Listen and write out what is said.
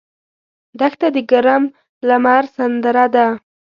دښته د ګرم لمر سندره ده.